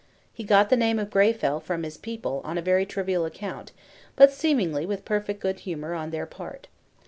He got the name of Greyfell from his people on a very trivial account, but seemingly with perfect good humor on their part.